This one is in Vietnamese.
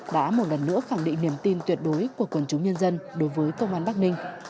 đã một lần nữa khẳng định niềm tin tuyệt đối của quần chúng nhân dân đối với công an bắc ninh